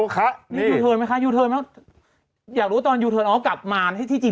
ฟังเสี่ยงเขาหน่อยดีไหม